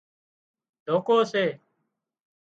ڌوڪو سي